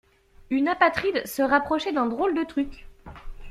Une apatride se rapprochait d'un drôle de truc.